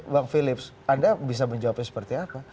bang philips anda bisa menjawabnya seperti apa